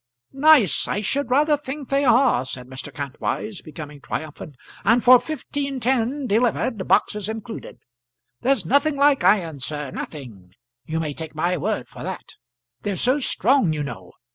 "Nice! I should rather think they are," said Mr. Kantwise, becoming triumphant, "and for fifteen ten, delivered, boxes included. There's nothing like iron, sir, nothing; you may take my word for that. They're so strong, you know.